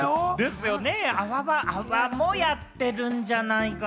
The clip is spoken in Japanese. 泡もやってるんじゃないかな。